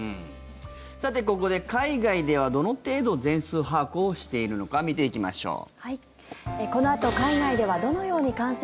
さて、ここで海外ではどの程度全数把握をしているのか見ていきましょう。